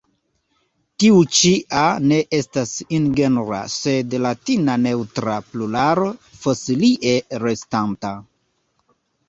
Tiu ĉi a ne estas ingenra sed latina neŭtra pluralo fosilie restanta.